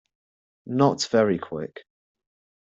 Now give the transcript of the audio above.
Not very Quick.